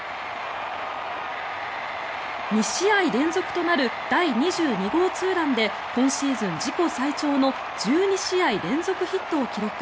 ２試合連続となる第２２号ツーランで今シーズン自己最長の１２試合連続ヒットを記録。